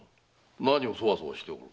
何をそわそわしとる？